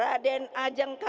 raden ajeng kasar